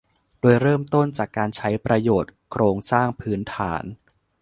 โดยเริ่มต้นจากการใช้ประโยชน์โครงสร้างพื้นฐาน